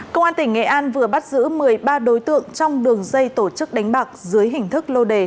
công an tỉnh nghệ an vừa bắt giữ một mươi ba đối tượng trong đường dây tổ chức đánh bạc dưới hình thức lô đề